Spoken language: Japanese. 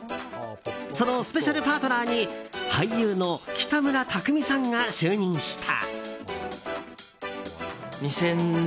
そのスペシャルパートナーに俳優の北村匠海さんが就任した。